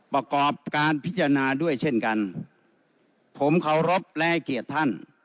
ประกอบการพิจารณาด้วยเช่นกันผมเคารพและให้เกียรติท่าน